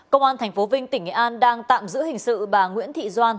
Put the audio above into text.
công an tp vinh tỉnh nghệ an đang tạm giữ hình sự bà nguyễn thị doan